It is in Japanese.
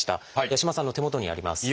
八嶋さんの手元にあります。